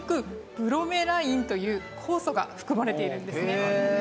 ブロメラインという酵素が含まれているんですね。